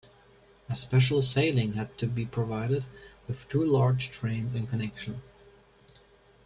A special sailing had to be provided, with two large trains in connection.